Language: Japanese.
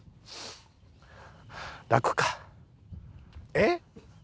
えっ？